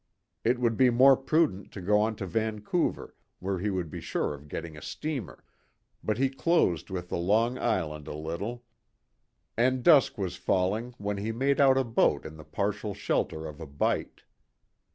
It would be more prudent to go on to Vancouver, where he would be sure of getting a steamer, but he closed with the long island a little, and dusk was falling when he made out a boat in the partial shelter of a bight.